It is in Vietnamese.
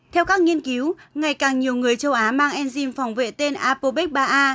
theo các nghiên cứu ngày càng nhiều người châu á mang enzim phòng vệ tên apobex ba a